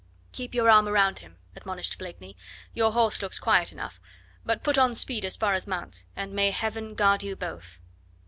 "Keep your arm round him," admonished Blakeney; "your horse looks quiet enough. But put on speed as far as Mantes, and may Heaven guard you both!"